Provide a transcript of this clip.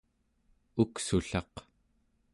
uksullaq